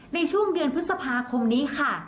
ในช่วงเดือนพฤษภาคมนี้ค่ะ